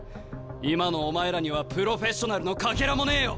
今のお前らにはプロフェッショナルのかけらもねえよ！